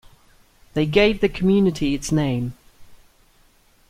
They gave the community its name.